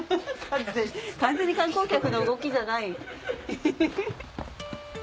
完全に観光客の動きじゃない。